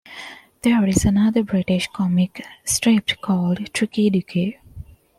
There is another British comic strip called "Tricky Dicky".